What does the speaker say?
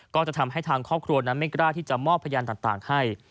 ก็จะทำให้ทางครอบครัวนั้นไม่กล้าที่จะมอบพยานต่างให้